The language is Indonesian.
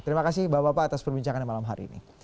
terima kasih bapak bapak atas perbincangannya malam hari ini